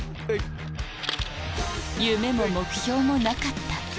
「夢も目標もなかった」